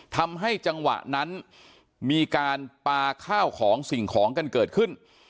จังหวะนั้นมีการปลาข้าวของสิ่งของกันเกิดขึ้น